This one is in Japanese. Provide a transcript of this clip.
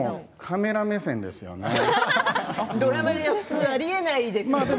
ドラマでは普通ありえないですよね。